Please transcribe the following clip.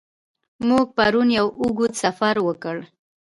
موږ پرون یو اوږد سفر وکړ.